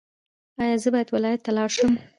ایا زه باید ولایت ته لاړ شم؟